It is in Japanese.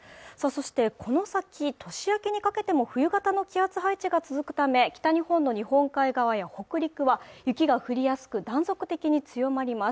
この先、年明けにかけても冬型の気圧配置が続くため、北日本の日本海側や北陸は雪が降りやすく断続的に強まります。